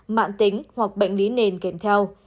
mạng tính hoặc bệnh lý nền kèm theo